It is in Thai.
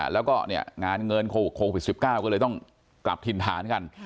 แล้วก็งานเงินโควิด๑๙ก็เลยต้องกลับถิ่นฐานกัน